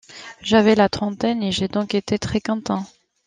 J'avais la trentaine et j'ai donc été très content.